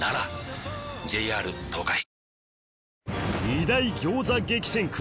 ２大餃子激戦区